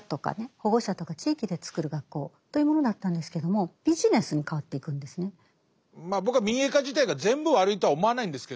保護者とか地域で作る学校というものだったんですけどもまあ僕は民営化自体が全部悪いとは思わないんですけど。